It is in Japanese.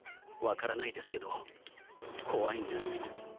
分からないですけど怖いんです。